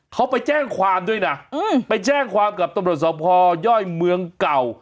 เขาไปแจ้งความด้วยนะไปแจ้งความกับตำรวจสภย่อยเมืองเก่า